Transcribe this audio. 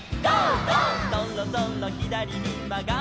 「そろそろひだりにまがります」